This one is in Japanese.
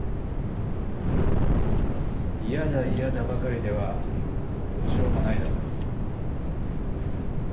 「嫌だ嫌だ」ばかりではどうしようもないだろう？